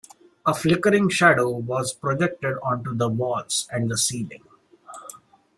A flickering shadow was projected onto the walls and the ceiling.